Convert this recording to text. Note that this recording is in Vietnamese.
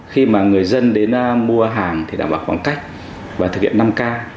khi mà người dân đến mua hàng thì đảm bảo khoảng cách và thực hiện năm k